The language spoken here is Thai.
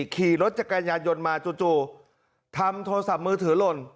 ขี่รถจักรยานยนต์มาจู่ทำโทรศัพท์มือถือหล่น